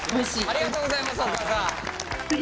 ありがとうございますお母さん！